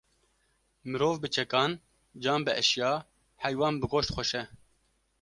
Mirov bi çekan, can bi eşya, heywan bi goşt xweş e